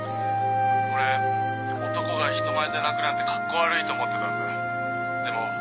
俺男が人前で泣くなんてかっこ悪いと思ってたんだでも。